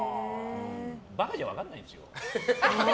バカじゃ分かんないんですよ。